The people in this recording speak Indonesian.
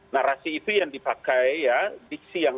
narasi itu yang dipakai ya diksi yang